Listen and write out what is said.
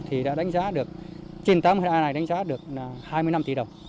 thì đã đánh giá được trên tám mươi a này đánh giá được hai mươi năm tỷ đồng